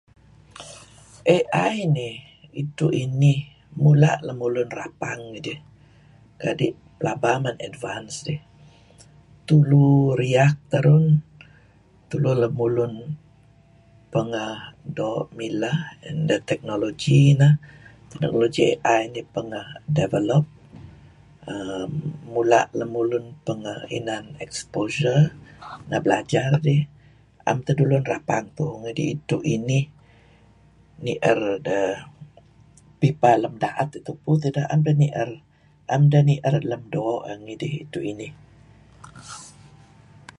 Ridu' inih mula' lemlun rapang ngidih. Kadi' pelaba man advance dih. Tulu riak terun tule lemulun pangeh doo' mileh and the teknologi neh, teknologi AI neh develop uhm mula' lemulun pangeh inan exposure neh belajar dih am teh lemulun rapang tuuh. Kadi' ridtu' inih nier deh ibal lem daet tupu tideh am deh nier doo' neh idih.